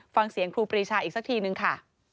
ฟังเสียงครูปริชาอีกสักทีนึงค่ะ